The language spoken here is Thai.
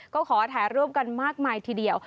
ก็ขอถ่ายรูปกันมากมายทีเดียว